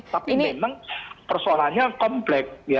tapi memang persoalannya komplek